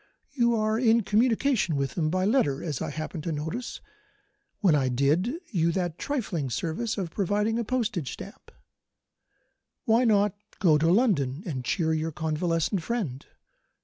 You are in communication with him by letter, as I happened to notice when I did you that trifling service of providing a postage stamp. Why not go to London and cheer your convalescent friend?